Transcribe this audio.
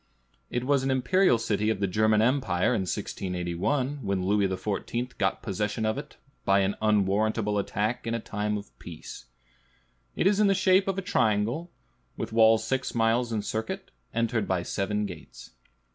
It was an imperial city of the German empire in 1681, when Louis XIV. got possession of it, by an unwarrantable attack in a time of peace. It is in shape a triangle, with walls six miles in circuit, entered by seven gates.